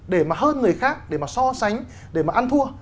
để mà hơn người khác để mà so sánh để mà ăn thua